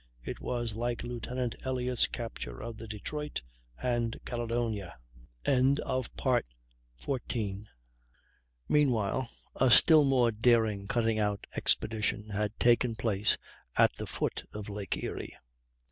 It was like Lieut. Elliot's capture of the Detroit and Caledonia. Meanwhile a still more daring cutting out expedition had taken place at the foot of Lake Erie.